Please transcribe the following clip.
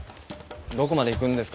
どこまで行くんですか？